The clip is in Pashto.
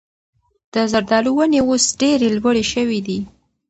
د زردالو ونې اوس ډېرې لوړې شوي دي.